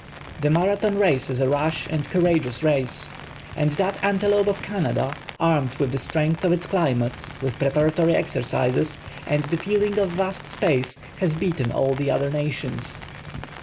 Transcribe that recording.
The .Marathon race is a ra.sh and courageous race, and that antelope of Canada, armed with the strength of its climate, with prepara tory exercises and the feeling of vast space, has beaten all the other nations.